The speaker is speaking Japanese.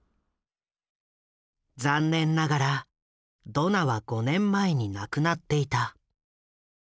残念ながらドナは５年前に亡くなっていた。